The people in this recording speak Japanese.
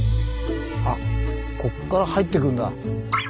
あこっから入ってくるんだ。